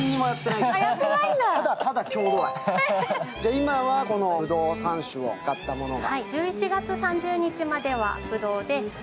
今はこのぶどう３種を使ったものが。